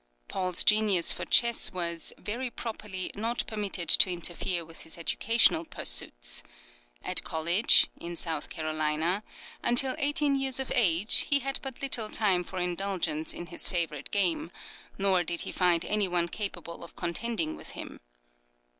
Paul's genius for Chess was, very properly, not permitted to interfere with his educational pursuits. At college (in South Carolina) until eighteen years of age, he had but little time for indulgence in his favorite game, nor did he find any one capable of contending with him.